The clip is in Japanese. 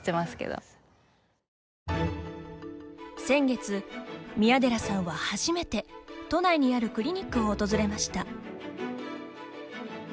先月、宮寺さんは初めて都内にあるクリニックを訪れました。